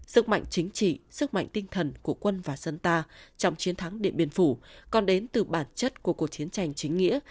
sức mạnh chính trị sức mạnh tinh thần của quân và dân ta trong chiến thắng điện biên phủ còn đến từ bản chất của cuộc chiến tranh chính nghĩa